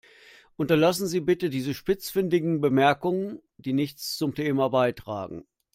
Unterlassen Sie bitte diese spitzfindigen Bemerkungen, die nichts zum Thema beitragen.